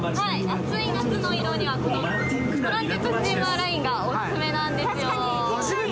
暑い夏の移動には、このトランジットスチーマーラインがオススメなんですよ。